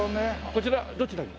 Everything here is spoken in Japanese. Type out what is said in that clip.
こちらどちらに？